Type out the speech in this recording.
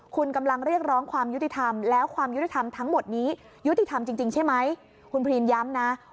คุณกำลังเรียกร้องความยุติธรรม